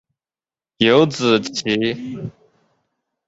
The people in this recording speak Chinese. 有脂鳍。